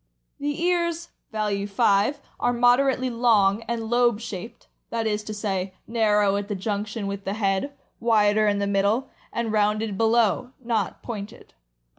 The ears (value 5) are moderately long and lobe shaped — that is to say, narrow at the junction with the head, wider in the middle, and rounded below, not pointed.